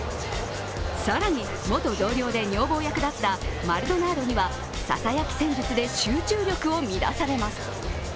更に元同僚で女房役だったマルドナードにはささやき戦術で集中力を乱されます。